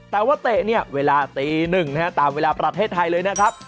แต่ว่าเตะเนี่ยเวลาตีหนึ่งนะฮะตามเวลาประเทศไทยเลยนะครับ